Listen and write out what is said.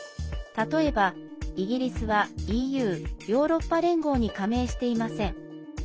例えば、イギリスはＥＵ＝ヨーロッパ連合に加盟していません。